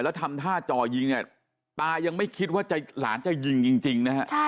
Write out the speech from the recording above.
แล้วท่าจ่อยิงอ่ะมายังไม่คิดว่าขอยล้านจะยิงจริงนะ